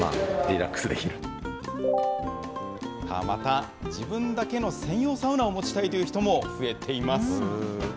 また、自分だけの専用サウナを持ちたいという人も増えています。